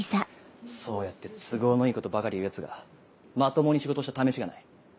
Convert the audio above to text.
そうやって都合のいいことばかり言うヤツがまともに仕事したためしがない。